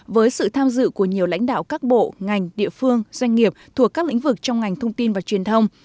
với sự tham dự của nhiều lãnh đạo các bộ ngành địa phương doanh nghiệp thuộc các lĩnh vực trong ngành thông tin và truyền thông